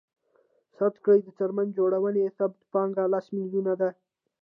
فرض کړئ د څرمن جوړونې ثابته پانګه لس میلیونه ده